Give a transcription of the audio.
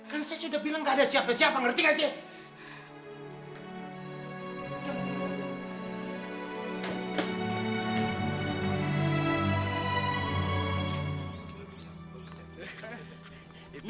kan saya sudah bilang gak ada siapa siapa ngerti gak sih